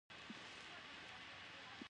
د اوبو بندونه کرنې ته وده ورکوي.